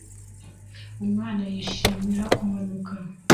Umwana yishimira kumanuka